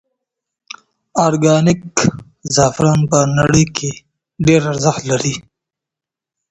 ارګانیک زعفران په نړۍ کې ډېر ارزښت لري.